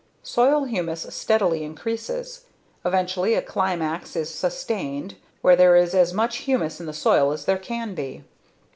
Soil humus steadily increases. Eventually a climax is sustained where there is as much humus in the soil as there can be.